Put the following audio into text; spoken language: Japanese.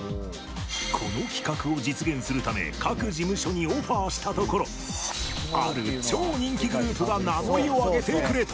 この企画を実現するため各事務所にオファーしたところある超人気グループが名乗りを上げてくれた。